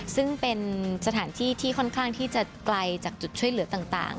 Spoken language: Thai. ซึ่งเป็นสถานที่ที่ค่อนข้างที่จะไกลจากจุดช่วยเหลือต่าง